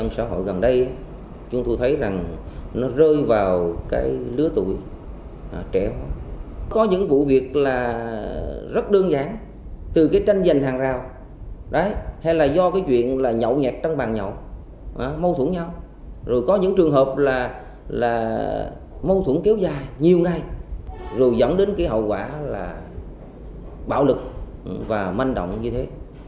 nhiều ngày rồi dẫn đến cái hậu quả là bạo lực và manh động như thế